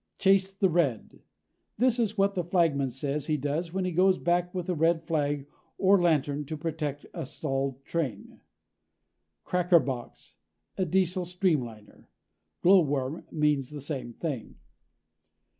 CHASE THE RED this is what the flagman says he does when he goes back with a red flag or lantern to protect a stalled train. CRACKER BOX a Diesel streamliner. Glowworm means the same thing.